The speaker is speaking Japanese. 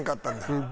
うん。